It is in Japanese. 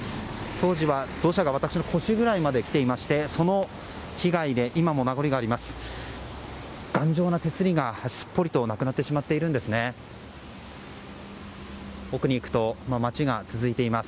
当時は土砂が私の腰ぐらいまで来ていまして、その被害で今も名残があります。